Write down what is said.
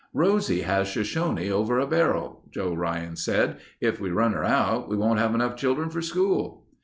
"Rosie has Shoshone over a barrel," Joe Ryan said. "If we run her out, we won't have enough children for school."